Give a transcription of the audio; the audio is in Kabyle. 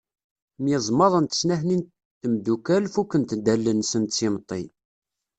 Myeẓmaḍent snat-nni n temdukal fukkent-d allen-nsent s yimeṭṭi.